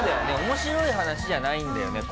面白い話じゃないんだよね。